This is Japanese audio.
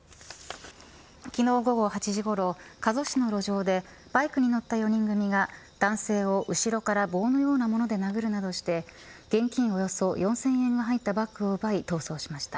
昨日、午後８時ごろ加須市の路上でバイクに乗った４人組が男性を後ろから棒のようなもので殴るなどして現金およそ４０００円が入ったバッグを奪い、逃走しました。